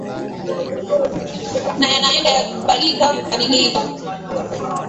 na yanaenda yakubadilika badilika